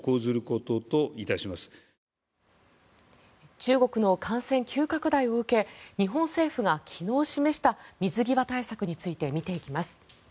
中国の感染急拡大を受け日本政府が昨日示した水際対策について見ていきます。